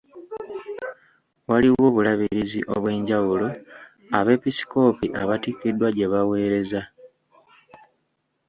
Waliwo obulabirizi obw'enjawulo abeepisikoopi abatikkiddwa gye baweereza.